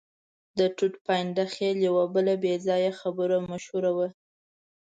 د ټوټ پاینده خېل یوه بله بې ځایه خبره مشهوره وه.